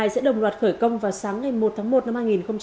sẽ đồng loạt khởi công vào sáng ngày một tháng một năm hai nghìn hai mươi